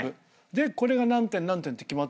でこれが何点何点って決まってるけど。